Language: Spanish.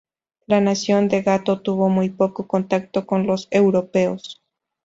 La Nación del Gato tuvo muy poco contacto con los europeos.